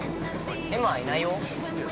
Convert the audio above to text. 今はいないよ。